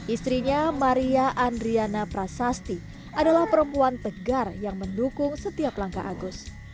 istrinya maria andriana prasasti adalah perempuan tegar yang mendukung setiap langkah agus